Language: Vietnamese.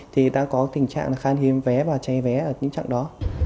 thì đã có tình trạng là khan hiếm vé và chay vé ở những trạng đó